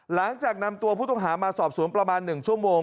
หลังจากนำตัวผู้ต้องหามาสอบสวนประมาณ๑ชั่วโมง